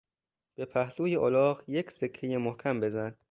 به پهلوی الاغ یک سکهی محکم بزن!